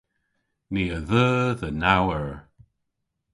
Ni a dheu dhe naw eur.